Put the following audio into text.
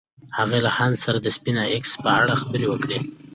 هغې له هانس سره د سپېساېکس په اړه خبرې وکړې.